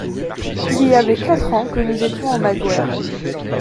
Il y avait quatre ans que nous étions au Magoër.